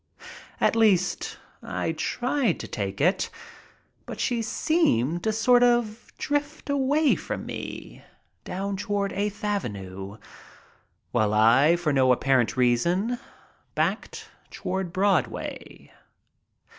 At least I tried to take it, but she seemed to sort of drift away from me down toward Eighth Avenue, while I, for no apparent reason, backed toward Broadway.